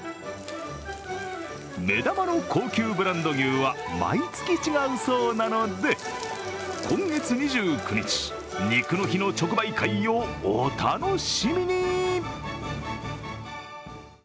目玉の高級ブランド牛は毎月違うそうなので、今月２９日、ニクの日の直売会をお楽しみに。